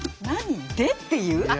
「何で」っていう？